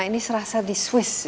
ini serasa di swiss